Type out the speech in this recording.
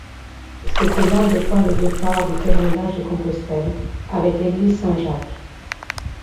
C'était l'un des points de départ du pèlerinage de Compostelle, avec l'église Saint-Jacques.